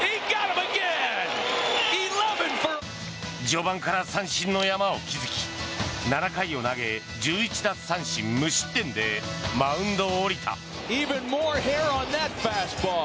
序盤から三振の山を築き７回を投げ１１奪三振無失点でマウンドを降りた。